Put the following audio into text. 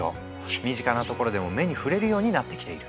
身近なところでも目に触れるようになってきている。